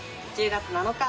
１０月７日